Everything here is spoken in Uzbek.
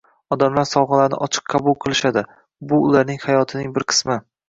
Odamlar sovg'alarni ochiq qabul qilishadi, bu ularning hayotining bir qismi